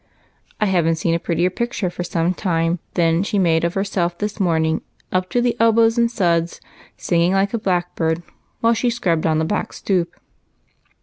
I have n't seen a prettier picture for some time than she made of herself this morning, up to the elbows in suds, singing like a blackbird while she scrubbed on the back stoop."